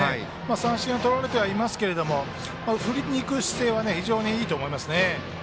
三振はとられていますが振りにいく姿勢は非常にいいと思います。